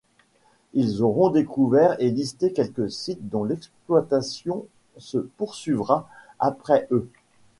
Ils auront découvert et listé quelques sites dont l'exploitation se poursuivra après eux.